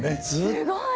すごい。